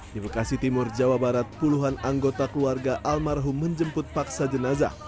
di bekasi timur jawa barat puluhan anggota keluarga almarhum menjemput paksa jenazah